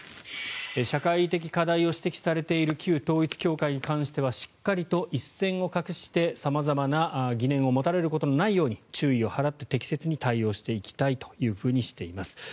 社会的課題を指摘されている旧統一教会に関してはしっかりと一線を画して様々な疑念を持たれることのないように注意を払って適切に対応していきたいというふうにしています。